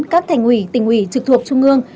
các thành ủy tình ủy trực thuộc trung ương